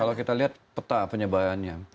kalau kita lihat peta penyebarannya